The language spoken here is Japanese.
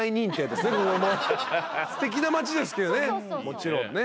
もちろんね。